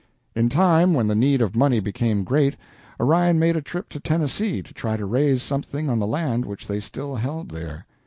In time when the need of money became great, Orion made a trip to Tennessee to try to raise something on the land which they still held there.